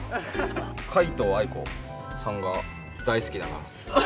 皆藤愛子さんが大好きだからです。